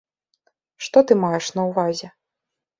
Што ты маеш на ўвазе?